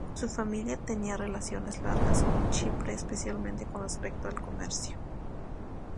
Su familia tenía relaciones largas con Chipre, especialmente con respecto al comercio.